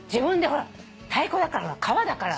ほら太鼓だから革だから。